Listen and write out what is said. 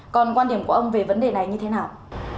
còn quan điểm của ông về vấn đề này như thế nào